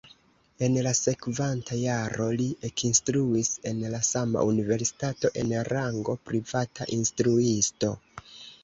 En la sekvanta jaro li ekinstruis en la sama universitato en rango privata instruisto.